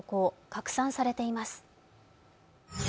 拡散されています。